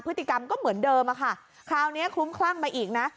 พฤติกรรมก็เหมือนเดิมอะค่ะคราวนี้คลุ้มคลั่งมาอีกนะ